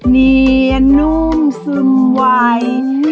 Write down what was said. เนียนุ่มซุ่มไหว